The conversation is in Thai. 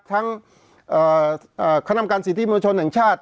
ทั้งขนามการสิทธิโมชนแห่งชาติ